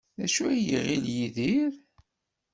D acu ay iɣil Yidir?